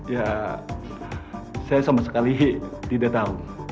ya saya sama sekali tidak tahu